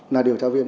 là điều tra viên